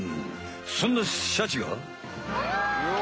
そんなシャチが。うわ！